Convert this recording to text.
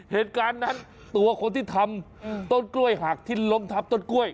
เหตุการณ์นั้นตัวคนที่ทำต้นกล้วยหักที่ล้มทับต้นกล้วย